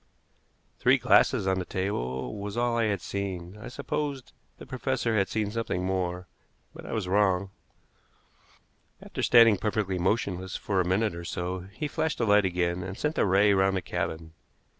Three glasses on the table was all I had seen. I supposed the professor had seen something more, but I was wrong. After standing perfectly motionless for a minute or so, he flashed the light again, and sent the ray round the cabin.